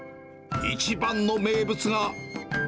一番の名物が。